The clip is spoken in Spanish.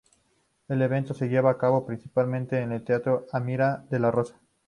El evento se lleva a cabo principalmente en el teatro Amira de la Rosa.